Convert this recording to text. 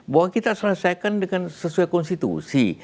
bahwa kita selesaikan dengan sesuai konstitusi